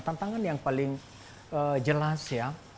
tantangan yang paling jelas ya